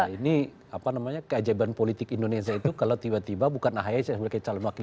ini apa namanya keajaiban politik indonesia itu kalau tiba tiba bukan ahy saya sebagai calon wakil